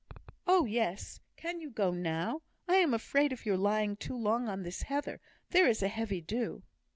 "Oh, yes! Can you go now? I am afraid of your lying too long on this heather; there is a heavy dew."